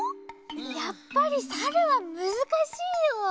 やっぱりサルはむずかしいよ。